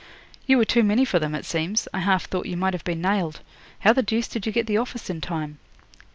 'You were too many for them, it seems. I half thought you might have been nailed. How the deuce did you get the office in time?'